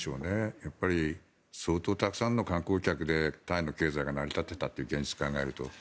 やっぱり相当、たくさんの観光客でタイの経済が成り立っていたという現実を考えると。